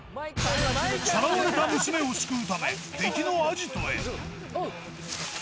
さらわれた娘を救うため、敵のアジトへ。